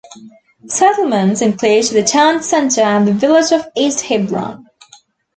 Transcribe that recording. Settlements include the town center and the village of East Hebron.